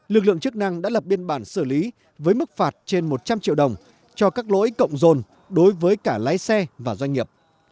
lực lượng chức năng đã lập biên bản xử lý với mức phạt trên một trăm linh triệu đồng cho các lỗi cộng dồn đối với cả lái xe và doanh nghiệp